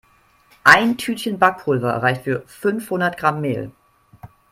Ein Tütchen Backpulver reicht für fünfhundert Gramm Mehl.